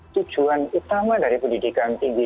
tujuan utama dari pendidikan tinggi